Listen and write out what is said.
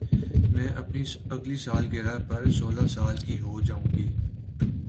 میں اپنی اگلی سالگرہ پر سولہ سال کی ہو جائو گی